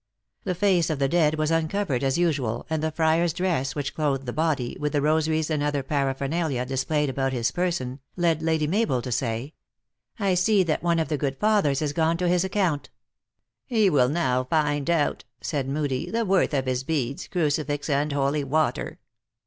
The face of the dead was uncovered as usual, and the friar s dress which clothed the body, with the rosaries and other paraphernalia displayed about his person, led Lady Mabel to say, "I see that one of the good fathers is gone to his account." " He will now find out," said Moodie, " the worth of his beads, crucifix and holy water."